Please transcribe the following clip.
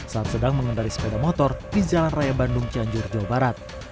saat sedang mengendari sepeda motor di jalan raya bandung cianjur jawa barat